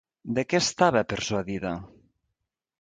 De què estava persuadida?